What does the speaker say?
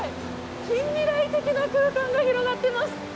近未来的な空間が広がっています。